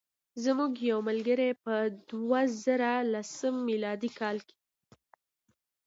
زموږ یو ملګری په دوه زره لسم میلادي کال.